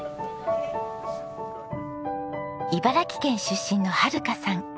茨城県出身のはるかさん。